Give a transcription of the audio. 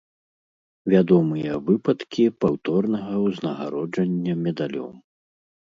Вядомыя выпадкі паўторнага ўзнагароджання медалём.